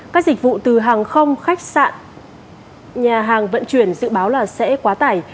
các dịch vụ từ hàng không khách sạn nhà hàng vận chuyển dự báo là sẽ quá tải